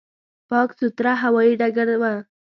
پاک، سوتره هوایي ډګر و.